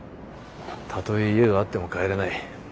たとえ家があっても帰れない。